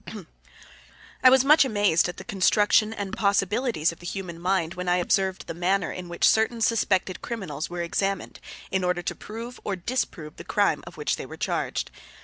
I was much amazed at the construction and possibilities of the human mind when I observed the manner in which certain suspected criminals were examined in order to prove or disprove the crime of which they were charged.